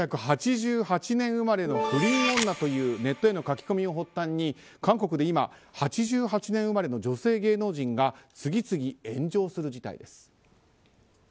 １９８８年生まれの不倫女というネットへの書き込みを発端に韓国で今８８年生まれの女性芸能人が次々、炎上する事態です。